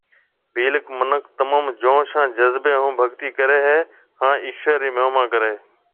ڀيل منک تموم جوش هان جذبيَ هون ڀگتِي ڪري هي هان ايشور رِي مهما ڪريَ هيَ